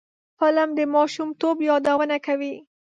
فلم د ماشومتوب یادونه کوي